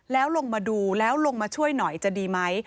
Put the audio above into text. แล้วลงมาดูแล้วลงมาช่วยหน่อยจะดีไหม